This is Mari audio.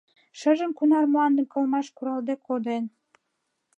Шыжым кунар мландым кылмаш куралде коден.